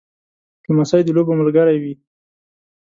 لمسی د لوبو ملګری وي.